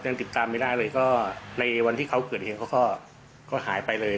ยังติดตามไม่ได้เลยก็ในวันที่เขาเกิดเหตุเขาก็หายไปเลย